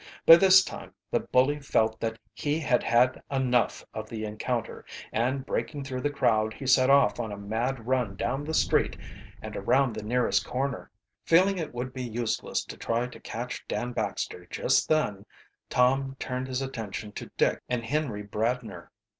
By this time the bully felt that he had had enough of the encounter, and breaking through the crowd he set off on a mad run down the street and around the nearest comer. Feeling it would be useless to try to catch Dan Baxter just then, Tom turned his attention to Dick and Henry Bradner.